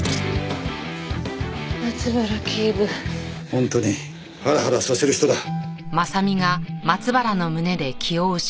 本当にハラハラさせる人だ。はあ。